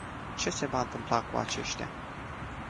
Ce se va întâmpla cu aceștia?